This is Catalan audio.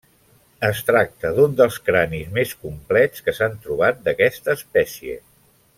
Es tracta d'un dels cranis més complets que s'han trobat d'aquesta espècie.